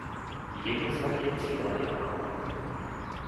Я не звар'яцелая мама!